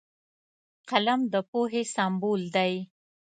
قلم د پوهې سمبول دی